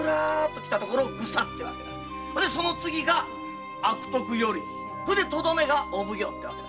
その次が悪徳与力でとどめがお奉行ってわけ。